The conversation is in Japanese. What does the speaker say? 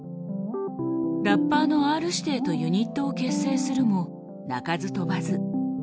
ラッパーのＲ−指定とユニットを結成するも鳴かず飛ばず。